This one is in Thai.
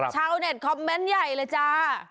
ชาวเน็ตคอมเมนต์ใหญ่เลยจ้า